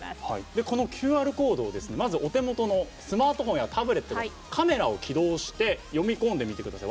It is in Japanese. ＱＲコードを、お手元のスマートフォンやタブレットでカメラを起動して読み込んでみてください。